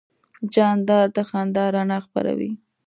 جانداد د خندا رڼا خپروي.